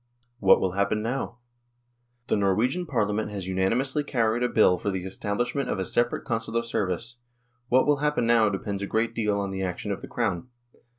What will happen now ? The Norwegian Parlia ment has unanimously carried a Bill for the establish ment of a separate Consular service ; what will happen now depends a greal deal on the action of the Crown.